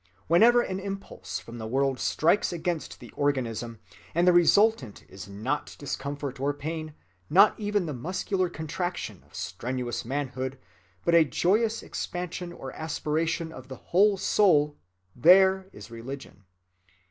Whenever an impulse from the world strikes against the organism, and the resultant is not discomfort or pain, not even the muscular contraction of strenuous manhood, but a joyous expansion or aspiration of the whole soul—there is religion.